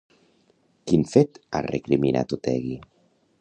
Quin fet ha recriminat Otegi?